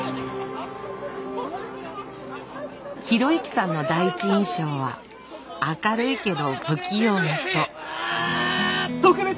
啓之さんの第一印象は明るいけど不器用な人。